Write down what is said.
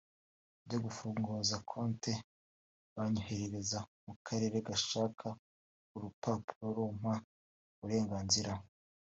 njya gufunguza konti banyohereza mu karere gushaka urupapuro rumpa uburenganzira